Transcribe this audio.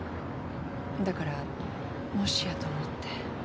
だからもしやと思って。